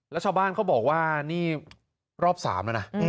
แล้วชาวบ้านเขาบอกว่านี่รอบ๓แล้วนะ